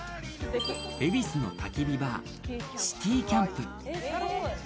恵比寿の焚き火バー、シティーキャンプ。